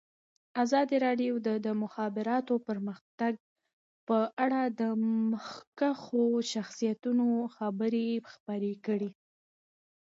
ازادي راډیو د د مخابراتو پرمختګ په اړه د مخکښو شخصیتونو خبرې خپرې کړي.